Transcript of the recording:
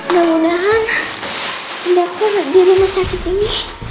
mudah mudahan pendakwa nggak diri masakit ini